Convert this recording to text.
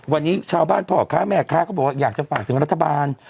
วันนี้ชาวบ้านพ่อค้าแม่ค้าก็บอกว่าอยากจะฝากถึงรัฐบาล